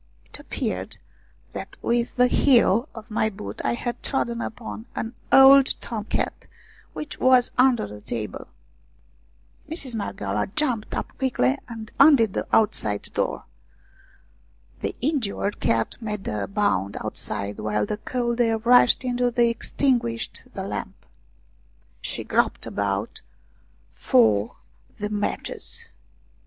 It appeared that with the heel of my boot I had trodden upon an old Tom cat which was under the table. Mistress Marghioala jumped up quickly and undid the outside door. The injured cat made a bound outside while the cold air rushed in and extinguished the lamp. She groped about for the 40 ROUMANIAN STORIES matches.